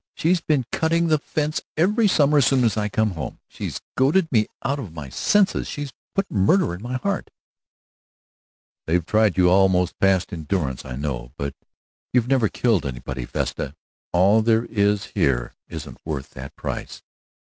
She began cutting the fence every summer as soon as I came home. She's goaded me out of my senses, she's put murder in my heart!" "They've tried you almost past endurance, I know. But you've never killed anybody, Vesta. All there is here isn't worth that price."